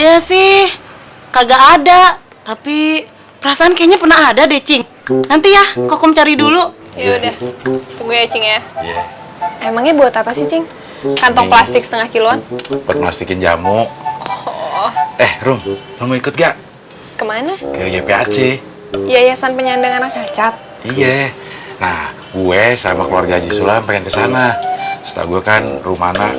ypac yayasan penyandang anak cacat iya nah gue sama keluarga jisulam pengen kesana setaukan rumana